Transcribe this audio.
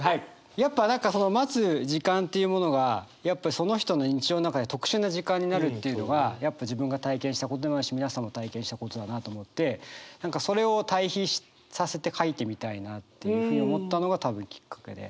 やっぱ何かその待つ時間っていうものがやっぱりその人の日常の中で特殊な時間になるっていうのがやっぱ自分が体験したことでもあるし皆さんも体験したことだなと思って何かそれを対比させて書いてみたいなっていうふうに思ったのが多分きっかけで。